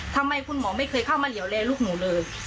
ทำไมคุณหมอไม่เคยเข้ามาเหลี่ยวแลลูกหนูเลย